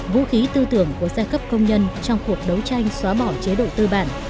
vũ khí tư tưởng của giai cấp công nhân trong cuộc đấu tranh xóa bỏ chế độ tư bản